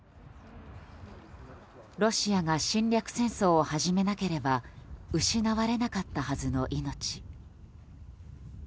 ロシアが侵略戦争を始めなければ失われなかったはずの命。